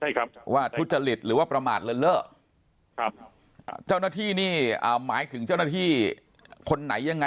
ใช่ครับว่าทุจริตหรือว่าประมาทเลินเล่อครับเจ้าหน้าที่นี่อ่าหมายถึงเจ้าหน้าที่คนไหนยังไง